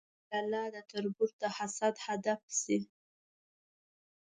پیاله د تربور د حسد هدف شي.